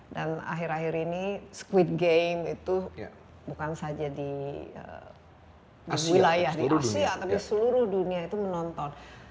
dan akhir akhir ini squid game itu bukan saja di wilayah di asia tapi seluruh dunia itu menonton